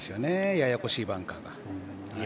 ややこしいバンカーが。